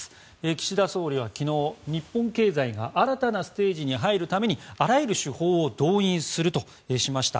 岸田総理は昨日日本経済が新たなステージに入るためにあらゆる手法を動員するとしました。